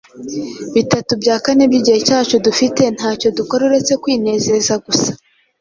Bitatu bya kane by’igihe cyacu dufite nta cyo dukora uretse kwinezeza gusa?